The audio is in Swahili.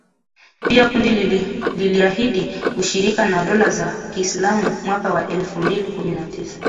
Pia kundi liliahidi ushirika na dola la kiislamu mwaka wa elfu mbili kumi na tisa.